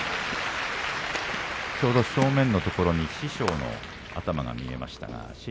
正面のところに師匠の頭が見えました。